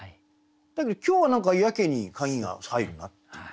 だけど今日は何かやけに鍵が入るなっていう。